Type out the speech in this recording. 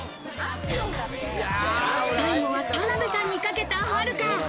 最後は田辺さんにかけた、はるか。